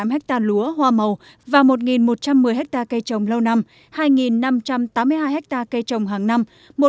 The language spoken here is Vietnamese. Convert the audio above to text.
hai mươi hai hai trăm một mươi tám hectare lúa hoa màu và một một trăm một mươi hectare cây trồng lâu năm hai năm trăm tám mươi hai hectare cây trồng hàng năm